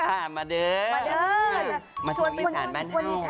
เอ่อมาเท่ากับวิสารบ้านหน้า